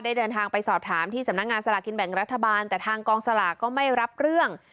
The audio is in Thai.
เดินทางไปสอบถามที่สำนักงานสลากกินแบ่งรัฐบาลแต่ทางกองสลากก็ไม่รับเรื่อง